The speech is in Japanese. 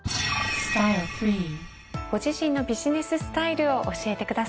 ご自身のビジネススタイルを教えてください。